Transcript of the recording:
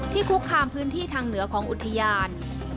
คุกคามพื้นที่ทางเหนือของอุทยาน